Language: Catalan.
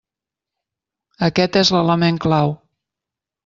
Aquest és l'element clau.